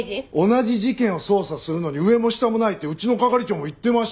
同じ事件を捜査するのに上も下もないってうちの係長も言ってましたよ。